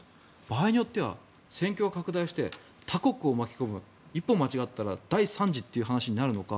場合によっては戦況を拡大して他国を巻き込む一歩間違えたら第３次という話になるのか